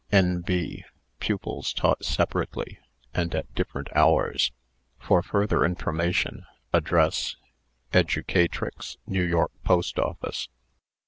"N.B. Pupils taught separately, and at different hours. "For further information, address 'Educatrix, New York Post Office.'"